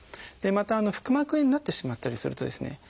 また腹膜炎になってしまったりするとですね